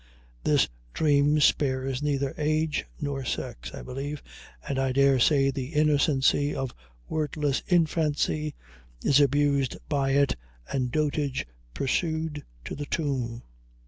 This dream spares neither age nor sex, I believe, and I daresay the innocency of wordless infancy is abused by it and dotage pursued to the tomb.